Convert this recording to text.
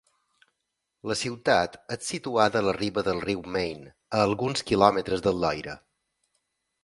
La ciutat és situada a la riba del riu Maine, a alguns quilòmetres del Loira.